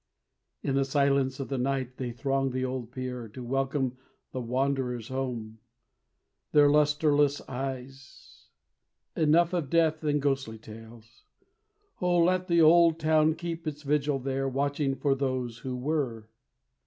In the silence of night they throng the old pier To welcome the wanderers home; Their lustreless eyes Enough of death and ghostly tales! Oh, let the old town keep its vigil there, Watching for those who were!